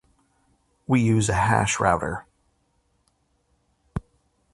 We use a hash router